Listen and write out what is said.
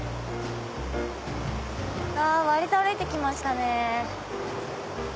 割と歩いて来ましたね。